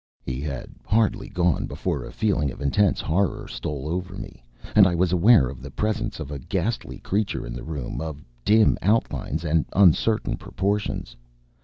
He had hardly gone before a feeling of intense horror stole over me, and I was aware of the presence of a ghastly creature in the room of dim outlines and uncertain proportions.